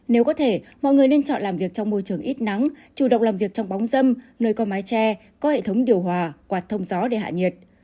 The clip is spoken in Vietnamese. nếu có thể mọi người nên chọn làm việc trong môi trường ít nắng chủ động làm việc trong bóng dâm nơi có mái tre có hệ thống điều hòa quạt thông gió để hạ nhiệt